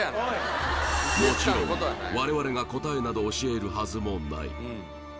もちろん我々が答えなど教えるはずもない